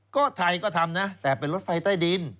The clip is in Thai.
ก็ไทยก็ทำนะแต่เป็นรถไฟใต้ดิน